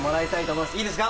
いいですか？